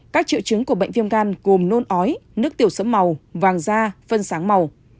các triệu chứng của bệnh viêm gan gồm nôn ói nước tiểu sẫm màu vàng da phân sáng màu